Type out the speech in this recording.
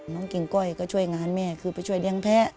กิ่งก้อยก็ช่วยงานแม่คือไปช่วยเลี้ยงแพ้